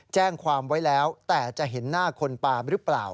แจ้งความไว้แล้วแต่จะเห็นหน้าคนปามหรือเปล่า